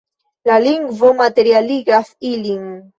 La lingvo materialigas ilin.